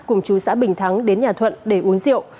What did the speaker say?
cùng chú xã bình thắng đến nhà thuận để uống rượu